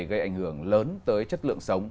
gây ảnh hưởng lớn tới chất lượng sống